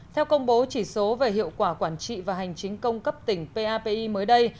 theo công bố chỉ số về hiệu quả quản trị và hành chính công cấp tỉnh papi mới đây